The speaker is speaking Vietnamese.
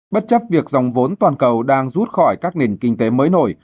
bất chấp việc dòng vốn toàn cầu đang rút khỏi các nền kinh tế mới nổi